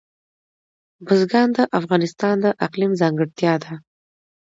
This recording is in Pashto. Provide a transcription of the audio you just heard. بزګان د افغانستان د اقلیم ځانګړتیا ده.